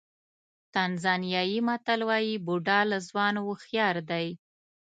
تانزانیايي متل وایي بوډا له ځوان هوښیار دی.